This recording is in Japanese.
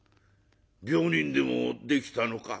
病人でもできたのか？」。